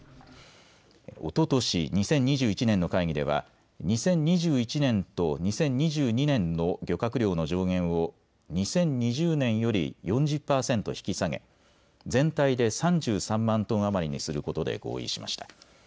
おととし２０２１年の会議では２０２１年と２０２２年の漁獲量の上限を２０２０年より４０％引き下げ、全体で３３万トン余りにすることで合意しました。